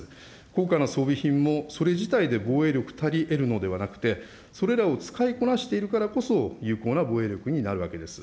高価な装備品も、それ自体で防衛力足りえるのではなくて、それらを使いこなしているからこそ、有効な防衛力になるわけです。